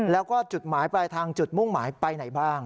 แล้วก็จุดหมายปลายทางจุดมุ่งหมายไปไหนบ้าง